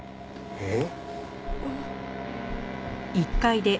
えっ。